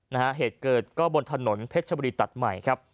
นะครับเหตุเกิดก็บนถนนเพชรบรีตัดใหม่ครับ